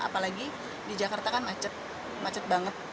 apalagi di jakarta kan macet banget